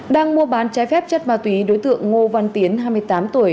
đang mua bán trái phép chất ma túy đối tượng ngô văn tiến hai mươi tám tuổi